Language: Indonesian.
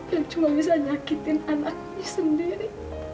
yang cuma bisa nyakitin anaknya sendiri